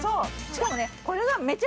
しかもね。